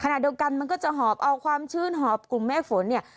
ขณะเดียวกันมันก็จะหอบเอาความชื่นหอบกลุ่มแม่ฝนเนี่ย